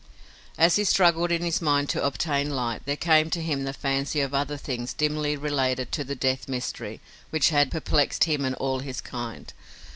As he struggled in his mind to obtain light there came to him the fancy of other things dimly related to the death mystery which had perplexed him and all his kind.